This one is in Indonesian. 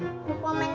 dokumen itu apa